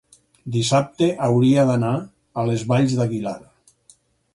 dissabte hauria d'anar a les Valls d'Aguilar.